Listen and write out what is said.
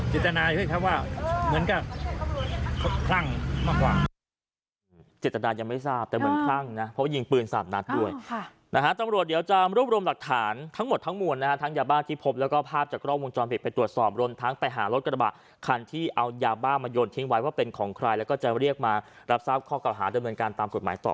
เจตนาให้เขาว่าเหมือนกับคลั่งมากกว่า